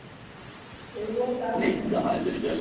هېواد ته عقل ورکړئ